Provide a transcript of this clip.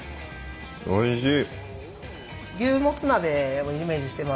おいしい！